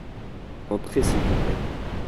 Entrez s’il vous plait.